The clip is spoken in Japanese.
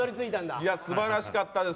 素晴らしかったです。